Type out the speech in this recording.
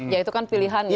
ya itu kan pilihan ya